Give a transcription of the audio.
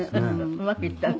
うまくいったのね。